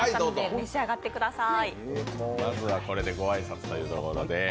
召し上がってください。